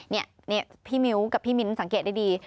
นี่พี่มิ้วกับพี่มิ้นสังเกตได้ดี